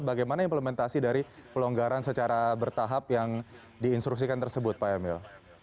bagaimana implementasi dari pelonggaran secara bertahap yang diinstruksikan tersebut pak emil